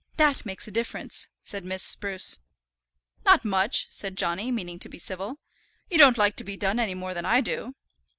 That makes a difference," said Miss Spruce. "Not much," said Johnny, meaning to be civil. "You don't like to be dull any more than I do."